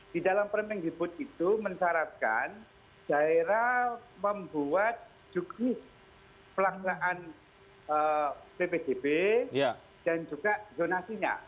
di dalam permendikbud itu mensyaratkan daerah membuat juknis pelaksanaan ppdb dan juga zonasinya